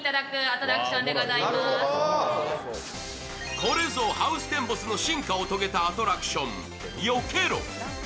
これぞハウステンボスの進化を遂げたトラクション、ＹＯＫＥＲＯ。